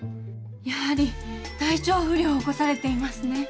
やはり体調不良を起こされていますね。